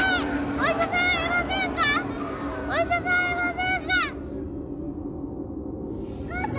お医者さんはいませんか！？